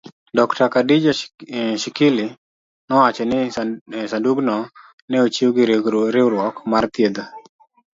Dr. Khadija Shikely nowacho ni sandugno ne ochiw gi riwruok mar thiedho